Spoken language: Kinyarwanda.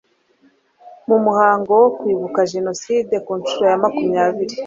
mu muhango wo kwibuka jenoside ku nshuro ya makumyabiri